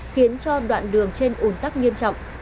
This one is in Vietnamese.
khiến cho đoạn đường trên ủn tắc nghiêm trọng